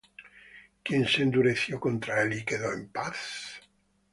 ¿Quién se endureció contra él, y quedó en paz?